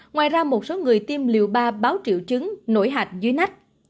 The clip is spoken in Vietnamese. ngoài ra một số người tiêm liều ba báo triệu chứng nổi hạch dưới nách